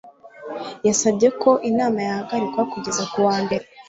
Yasabye ko inama yahagarikwa kugeza ku wa mbere